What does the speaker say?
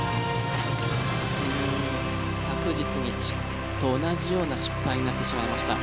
昨日と同じような失敗になってしまいました。